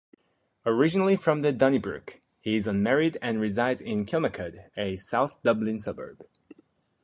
Originally from Donnybrook, he is unmarried and resides in Kilmacud, a south Dublin suburb.